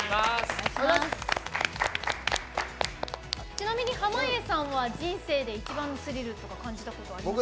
ちなみに濱家さんは人生で一番スリルとか感じたことありますか？